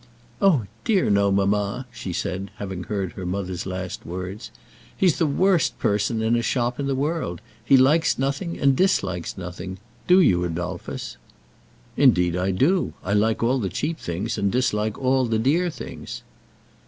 "Oh dear, no, mamma," she said, having heard her mother's last words. "He's the worst person in a shop in the world. He likes nothing, and dislikes nothing. Do you, Adolphus?" "Indeed I do. I like all the cheap things, and dislike all the dear things."